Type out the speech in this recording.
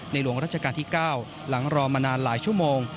หลวงราชการที่๙หลังรอมานานหลายชั่วโมง